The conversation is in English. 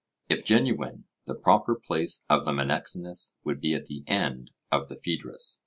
If genuine, the proper place of the Menexenus would be at the end of the Phaedrus.